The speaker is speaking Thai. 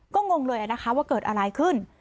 ก็งงเลยนะคะว่าเกิดอะไรขึ้น